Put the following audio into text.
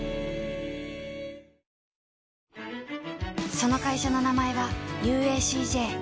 その会社の名前は ＵＡＣＪ